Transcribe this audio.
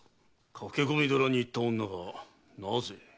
駆け込み寺に行った女がなぜ？